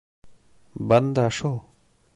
— Бында шул.